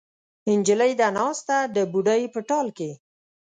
نجلۍ ده ناسته د بوډۍ په ټال کې